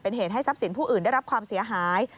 เป็นเหตุให้ทรัพย์สินผู้อื่นได้รับความเสียหาย